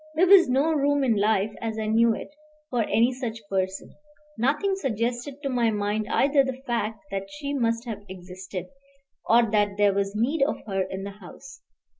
There was no room in life, as I knew it, for any such person; nothing suggested to my mind either the fact that she must have existed, or that there was need of her in the house.